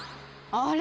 あれ？